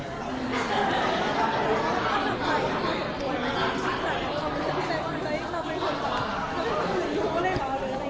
แหงเทียบมึง